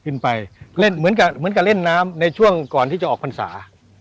ขึ้นไปเหมือนกับเล่นน้ำในช่วงก่อนที่จะออกพรรษา